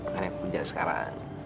karena aku kerja sekarang